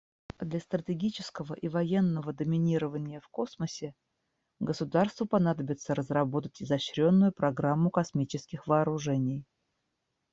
Для стратегического и военного доминирования в космосе государству понадобится разработать изощренную программу космических вооружений.